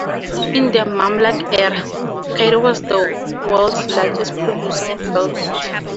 In the Mamluk era, Cairo was the world's largest producer of velvet.